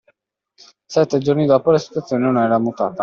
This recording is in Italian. Sette giorni dopo, la situazione non era mutata.